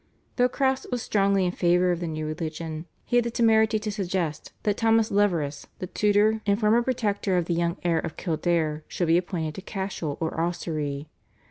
Though Crofts was strongly in favour of the new religion, he had the temerity to suggest that Thomas Leverous, the tutor and former protector of the young heir of Kildare, should be appointed to Cashel or Ossory.